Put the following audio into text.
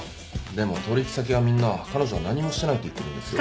でも取引先はみんな彼女は何もしてないって言ってるんですよ。